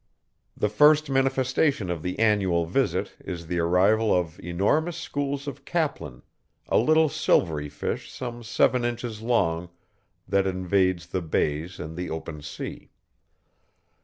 The first manifestation of the annual visit is the arrival of enormous schools of caplin, a little silvery fish some seven inches long that invades the bays and the open sea.